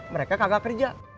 mereka kagak kerja